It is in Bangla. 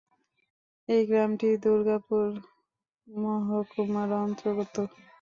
এই গ্রামটি দুর্গাপুর মহকুমার অন্তর্গত।